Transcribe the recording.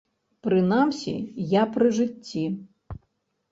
Прынамсі я пры жыцці.